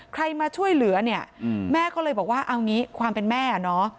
ใครมาช่วยเหลือเนี่ยแม่ก็เลยบอกว่าเอางี้ความเป็นแม่เนาะ